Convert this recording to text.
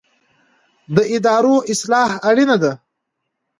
د ادارو اصلاح اړینه ده